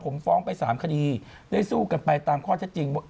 ผมฟ้องไป๓คดีได้สู้กันไปตามข้อเท็จจริงว่า